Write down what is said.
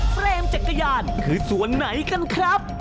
เฟรมจักรยานคือส่วนไหนกันครับ